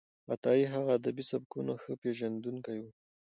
عطايي هغه د ادبي سبکونو ښه پېژندونکی و.